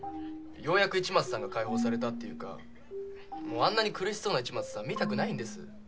ようやく市松さんが解放されたっていうかもうあんなに苦しそうな市松さん見たくないんです。